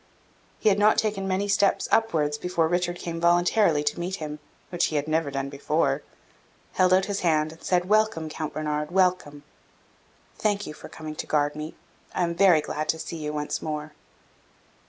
He had not taken many steps upwards before Richard came voluntarily to meet him (which he had never done before), held out his hand, and said, "Welcome, Count Bernard, welcome. Thank you for coming to guard me. I am very glad to see you once more."